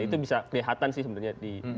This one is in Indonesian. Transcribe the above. itu bisa kelihatan sih sebenarnya